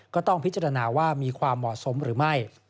ก็ต้องพิจารณาว่ามีความเหมาะสมหรือไม่